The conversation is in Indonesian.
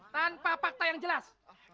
tanpa fakta yang jelas